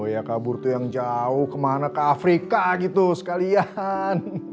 ya kabur tuh yang jauh kemana ke afrika gitu sekalian